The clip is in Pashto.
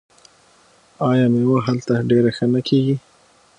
آیا میوه هلته ډیره ښه نه کیږي؟